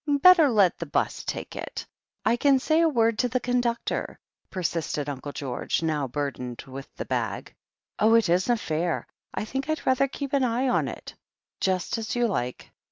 "Better let the 'bus take it. I can say a word to the conductor," persisted Uncle George, now burdened with the bag. "Oh, it isn't far. I think I'd rather keep an eye on it." "Just as you like."